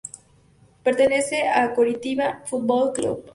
Pertenece al Coritiba Foot Ball Club.